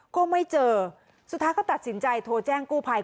ก็ไม่เจอสุดท้ายก็ตัดสินใจโทรแจ้งกู้ภัย